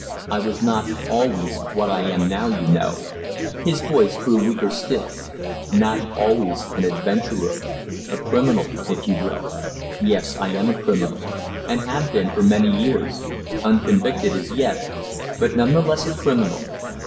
I was not always what I am now, you know," his voice grew weaker still; "not always an adventurer a criminal if you will. Yes, I am a criminal, and have been for many years; unconvicted as yet, but none the less a criminal.